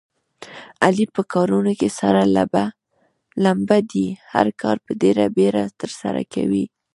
علي په کارونو کې سره لمبه دی. هر کار په ډېره بیړه ترسره کوي.